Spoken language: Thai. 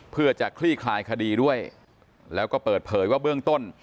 เพื่อจะคลี่คลายคดีด้วยแล้วก็เปิดเผยว่าเบื้องต้น